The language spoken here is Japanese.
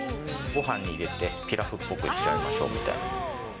ごはんに入れてピラフっぽくしちゃいましょうって。